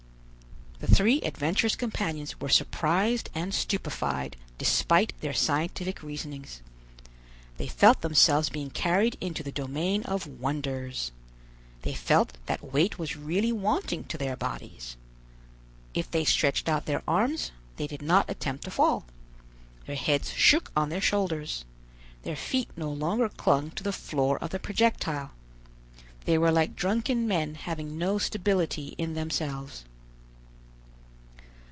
The three adventurous companions were surprised and stupefied, despite their scientific reasonings. They felt themselves being carried into the domain of wonders! they felt that weight was really wanting to their bodies. If they stretched out their arms, they did not attempt to fall. Their heads shook on their shoulders. Their feet no longer clung to the floor of the projectile. They were like drunken men having no stability in themselves.